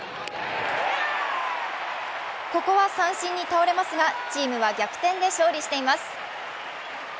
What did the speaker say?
ここは三振に倒れますが、チームは逆転で勝利しています。